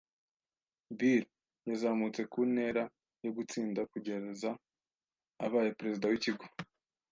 Bill yazamutse ku ntera yo gutsinda kugeza abaye perezida w'ikigo.